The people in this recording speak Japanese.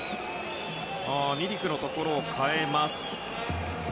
ミリクのところを代えます。